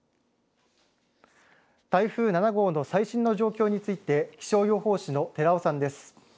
台風７号の最新の状況について気象予報士の寺尾さんです。